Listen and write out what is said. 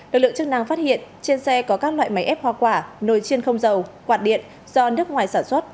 lực lượng chức năng phát hiện trên xe có các loại máy ép hoa quả nồi chiên không dầu quạt điện do nước ngoài sản xuất